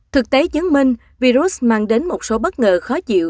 thực tế chứng minh virus mang đến một số bất ngờ khó chịu